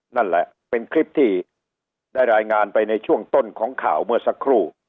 นั่นแหละเป็นคลิปที่ได้รายงานไปในช่วงต้นของข่าวเมื่อสักครู่